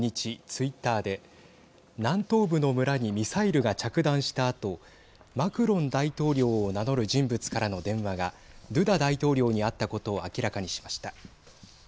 ツイッターで南東部の村にミサイルが着弾したあとマクロン大統領を名乗る人物からの電話がドゥダ大統領にあったことを明らかにしました。